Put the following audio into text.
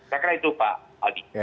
saya kira itu pak